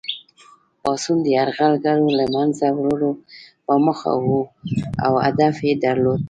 پاڅون د یرغلګرو له منځه وړلو په موخه وو او هدف یې درلود.